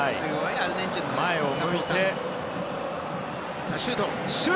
アルゼンチンのサポーター。